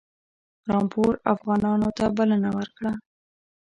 رامپور افغانانو ته بلنه ورکړه.